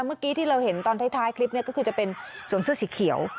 เมื่อกี้ที่เราเห็นตอนท้ายคลิปนี้ก็คือจะเป็นสวมเสื้อสีเขียว